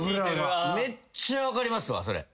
めっちゃ分かりますわそれ。